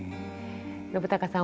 信朗さん